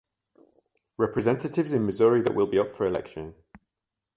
Representatives in Missouri that will be up for election.